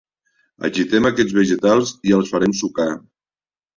Agitem aquests vegetals i els farem sucar.